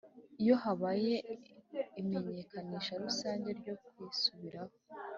Iyo habaye imenyekanisha rusange ryo kwisubiraho